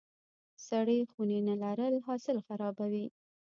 سړې خونې نه لرل حاصل خرابوي.